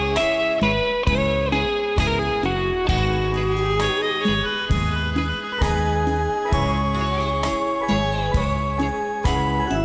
นะครับ